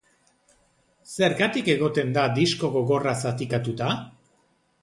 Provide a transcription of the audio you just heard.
Zergatik egoten da disko gogorra zatikatuta?